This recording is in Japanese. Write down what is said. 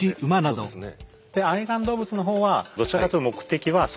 そうですよね。